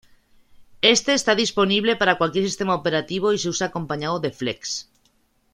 Este está disponible para cualquier sistema operativo y se usa acompañado de Flex.